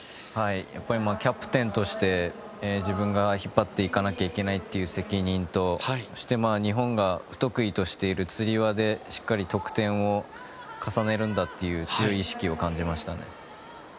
やっぱりキャプテンとして自分が引っ張っていかなきゃいけないという責任とそして、日本が不得意としているつり輪でしっかり得点を重ねるんだという強い意識を感じましたね。